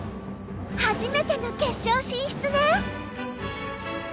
初めての決勝進出ね。